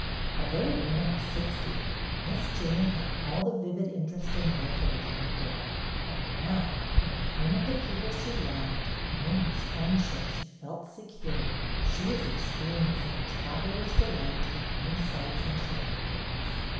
Although a woman of sixty, Miss Jane had all the vivid interest in life of a young girl, and now in the home of the people she loved and in whose friendship she felt secure, she was ex periencing a traveller's delight in new sights and surroundings.